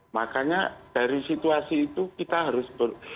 makanya dari situasi itu kita harus ber